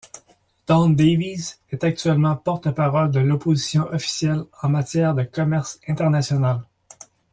Don Davies est actuellement porte-parole de l'Opposition officielle en matière de commerce international.